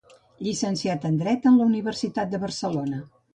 Llicenciat en Dret en la Universitat de Barcelona.